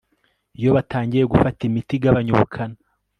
iyo batangiye gufata imiti igabanya ubukana